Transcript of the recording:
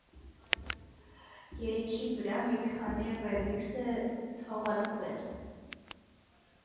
Երգի վրա մի քանի ռեմիքս է թողարկվել։